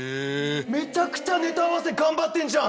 「めちゃくちゃネタ合わせ頑張ってんじゃん！」